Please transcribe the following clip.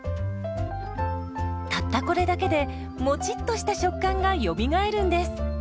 たったこれだけでもちっとした食感がよみがえるんです。